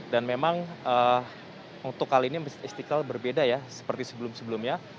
dan memang untuk kali ini masjid istiqlal berbeda ya seperti sebelum sebelumnya